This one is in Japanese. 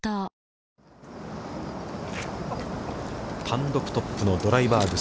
単独トップのドライバーグ。